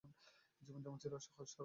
জীবনযাপন ছিল সহজ সরল।